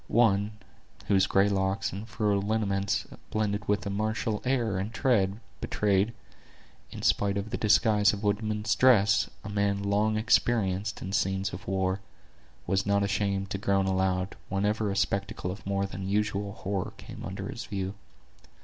One, whose gray locks and furrowed lineaments, blending with a martial air and tread, betrayed, in spite of the disguise of a woodsman's dress, a man long experienced in scenes of war, was not ashamed to groan aloud, whenever a spectacle of more than usual horror came under his view.